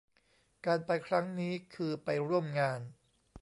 การไปครั้งนี้คือไปร่วมงาน